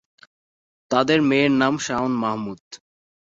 তাদের মেয়ের নাম শাওন মাহমুদ।